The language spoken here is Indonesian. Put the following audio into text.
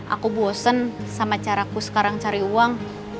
aku bosen sama caraku sekarang cari uang